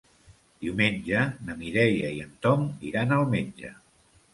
Diumenge na Mireia i en Tom iran al metge.